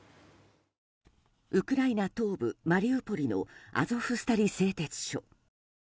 ウクライナ東部マリウポリのアゾフスタリ製鉄所。